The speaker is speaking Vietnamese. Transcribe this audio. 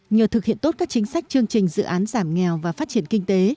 nhờ thực hiện tốt các chính sách chương trình dự án giảm nghèo và phát triển kinh tế